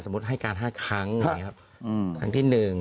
สมมติให้การ๕ครั้งอย่างนี้ครับ